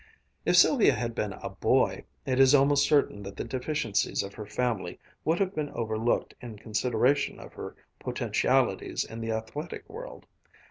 If Sylvia had been a boy, it is almost certain that the deficiencies of her family would have been overlooked in consideration of her potentialities in the athletic world.